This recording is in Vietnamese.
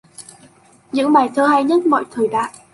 Những bài thơ hay nhất mọi thời đại